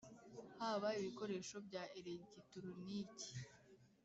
Haba ibikoresho bya elegitoroniki.